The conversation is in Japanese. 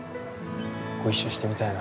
◆ご一緒してみたいな。